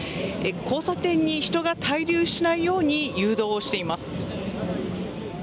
交差点に人が滞留しないように誘導しています。